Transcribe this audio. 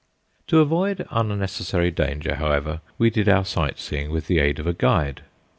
To avoid unnecessary danger, however, we did our sight seeing with the aid of a guide.